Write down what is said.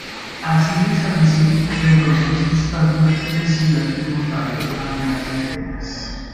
Así Bizancio retornó a su estatus de ciudad tributaria-aliada de Atenas.